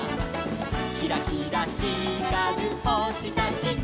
「キラキラひかるほしたちと」